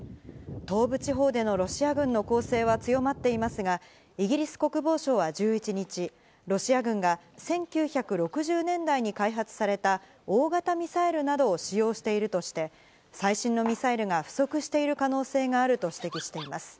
東部地方でのロシア軍の攻勢は強まっていますが、イギリス国防省は１１日、ロシア軍が１９６０年代に開発された大型ミサイルなどと使用しているとして、最新のミサイルが不足している可能性があると指摘しています。